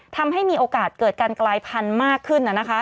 ทำให้มีโอกาสเกิดการกลายพันธุ์มากขึ้น